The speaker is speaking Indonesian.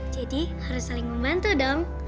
jadi harus saling membantu dong